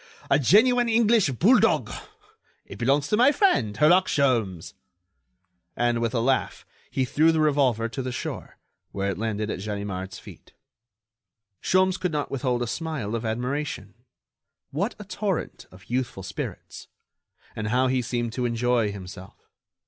A genuine English bulldog. It belongs to my friend, Herlock Sholmes." And, with a laugh, he threw the revolver to the shore, where it landed at Ganimard's feet. Sholmes could not withhold a smile of admiration. What a torrent of youthful spirits! And how he seemed to enjoy himself!